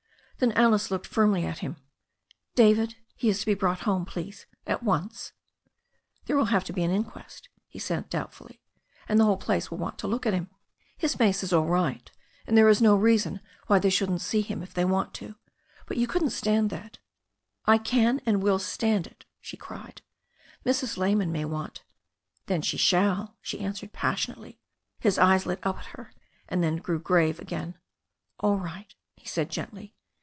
Then Alice looked firmly at him. "David, he is to be brought home, please, at once." "There will have to be an inquest," he began doubtfully, "and the whole place will want to look at him.* K\& 1^^^ 4o6 THE STORY OF A NEW ZEALAND RIVEE is all right, and there is no reason why they shouldn't see him if they want to. But you couldn't stand that." "I can and will stand it," she cried. "Mrs. Lyman might want " "Then she shall," she answered passionately. His eyes lit up at her and then grew grave again. "All right," he said gently.